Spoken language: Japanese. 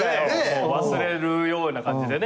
忘れるような感じでね。